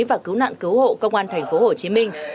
và cứu nạn cứu hộ công an thành phố hồ chí minh